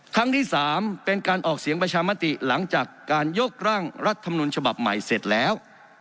ครั้งที่๓เป็นการออกเสียงประชามติหลังจากการยกร่างรัฐมนุนฉบับใหม่เสร็จแล้ว